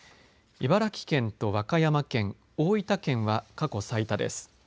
茨城県と和歌山県大分県は過去最多です。